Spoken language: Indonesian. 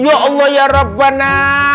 ya allah ya rabbana